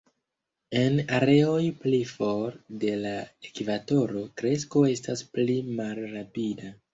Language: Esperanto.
En areoj pli for de la ekvatoro kresko estas pli malrapida.